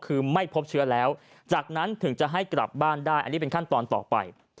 คือไม่พบเชื้อแล้วจากนั้นถึงจะให้กลับบ้านได้อันนี้เป็นขั้นตอนต่อไป